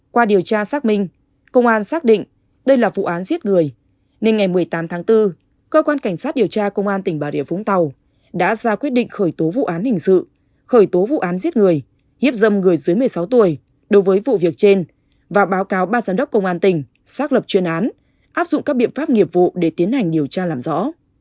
qua điều tra xác minh công an xác định đây là vụ án giết người nên ngày một mươi tám tháng bốn cơ quan cảnh sát điều tra công an tỉnh bà địa phúng tàu đã ra quyết định khởi tố vụ án hình sự khởi tố vụ án giết người hiếp dâm người dưới một mươi sáu tuổi đối với vụ việc trên và báo cáo ban giám đốc công an tỉnh xác lập chuyên án áp dụng các biện pháp nghiệp vụ để tiến hành điều tra làm rõ